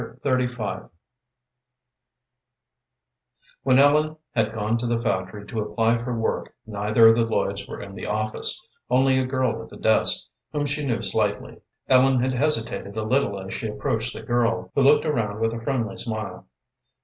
Chapter XXXV When Ellen had gone to the factory to apply for work neither of the Lloyds were in the office, only a girl at the desk, whom she knew slightly. Ellen had hesitated a little as she approached the girl, who looked around with a friendly smile.